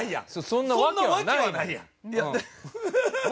そんなわけないやん！